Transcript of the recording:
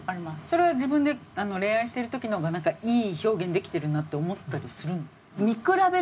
それは自分で恋愛してる時の方がいい表現できてるなって思ったりするの？